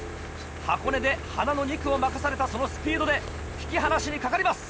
箱根で花の２区を任されたそのスピードで引き離しにかかります。